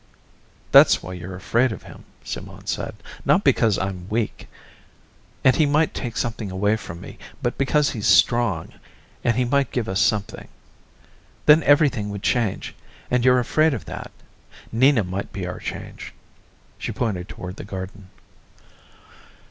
"That's why you're afraid of him," Simone said. "Not because I'm weak, and he might take something away from me, but because he's strong, and he might give us something. Then everything would change, and you're afraid of that. Nina might be our change." She pointed toward the garden.